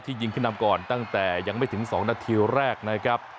ยิงขึ้นนำก่อนตั้งแต่ยังไม่ถึง๒นาทีแรกนะครับ